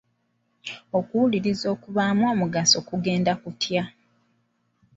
Okuwuliriza okubaamu omugaso kugenda kutya?